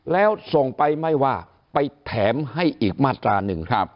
แล้วส่งไปไม่ว่าไปแถมให้อีกมาตราหนึ่ง